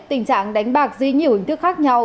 tình trạng đánh bạc dưới nhiều hình thức khác nhau